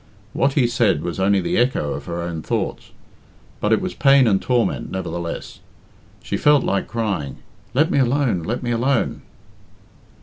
What he said was only the echo of her own thoughts; but it was pain and torment, nevertheless. She felt like crying, "Let me alone let me alone!"